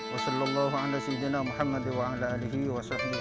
wasallamu'alaikum warahmatullah wabarakatuh